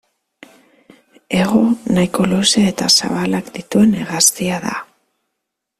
Hego nahiko luze eta zabalak dituen hegaztia da.